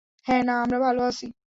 হ্যাঁ, না, আমরা ভালো আছি।